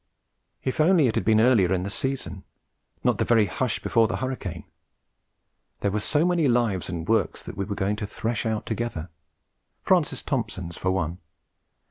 If only it had been earlier in the season, not the very hush before the hurricane! There were so many lives and works that we were going to thresh out together Francis Thompson's, for one.